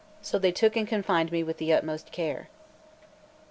So they took and confined me with the utmost care.